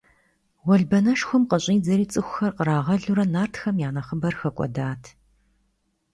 Уэлбанэшхуэм къыщӀидзэри, цӀыхухэр кърагъэлурэ нартхэм я нэхъыбэр хэкӀуэдат.